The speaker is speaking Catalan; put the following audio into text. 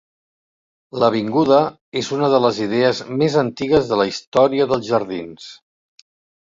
L'avinguda és una de les idees més antigues de la història dels jardins.